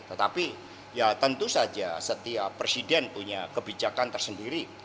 tetapi ya tentu saja setiap presiden punya kebijakan tersendiri